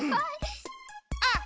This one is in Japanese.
あっ！